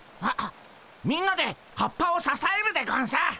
みんなで葉っぱをささえるでゴンス。